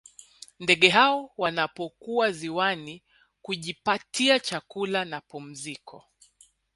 Ndege hao wanapokuwa ziwani kujipatia chakula na pumziko